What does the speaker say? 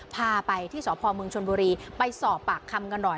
พาไปที่สพมชนบุรีไปสอบปากคำกันหน่อย